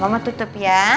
mama tutup ya